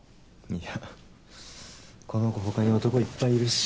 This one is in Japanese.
いやこの子ほかに男いっぱいいるし。